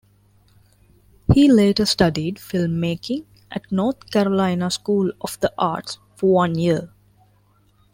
He later studied filmmaking at North Carolina School of the Arts for one year.